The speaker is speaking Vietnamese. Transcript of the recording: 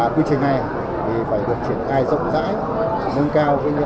quy trình này phải được triển khai rộng rãi nâng cao nhận thức trách nhiệm